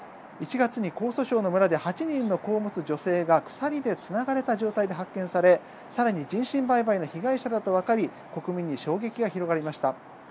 １月に江蘇省の村で８人の子を持つ女性が鎖でつながれた状態で発見され更に人身売買の被害者だとわかり国民に衝撃が広がりました。